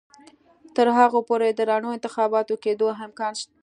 تر هغو پورې د رڼو انتخاباتو کېدو امکان نشته.